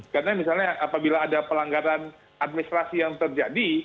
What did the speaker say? karena misalnya apabila ada pelanggaran administrasi yang terjadi